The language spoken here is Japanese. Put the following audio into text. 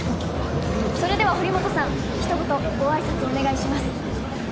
それでは堀本さん一言ご挨拶をお願いします